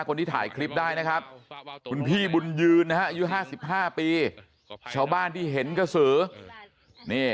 คนที่ถ่ายคลิปได้นะครับคุณพี่บุญยืนนะฮะอายุ๕๕ปีชาวบ้านที่เห็นกระสือนี่